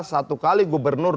satu kali gubernur